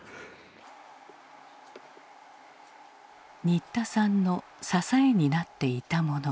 新田さんの支えになっていたもの。